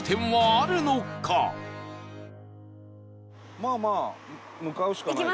まあまあ向かうしかないよね。